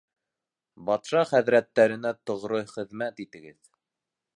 Батша хәҙрәттәренә тоғро хеҙмәт итегеҙ.